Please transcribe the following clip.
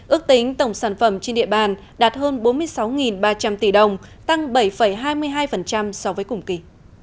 ước tính tổng sản phẩm trên địa bàn đạt hơn bốn mươi sáu ba trăm linh tỷ đồng tăng bảy hai mươi hai so với cùng kỳ